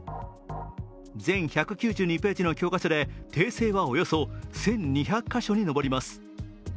全１９２ページの教科書で訂正はおよそ１２００か所に上ります。